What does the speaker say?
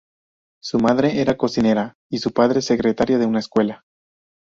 Su madre era cocinera y su padre, secretario de una escuela.